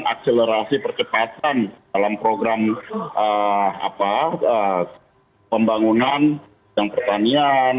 dan akselerasi percepatan dalam program pembangunan yang pertanian